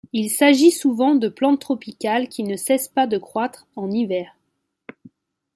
Il s'agit souvent de plantes tropicales qui ne cessent pas de croitre en hiver.